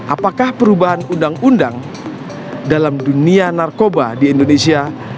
apakah perubahan undang undang dalam dunia narkoba di indonesia